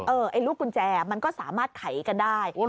ไอ้ลูกกุญแจมันก็สามารถไขกันได้